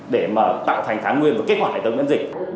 để tạo thành kháng nguyên và kết quả hệ thống viễn dịch